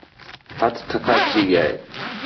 ہتھ تَھکا تھی ڳِیا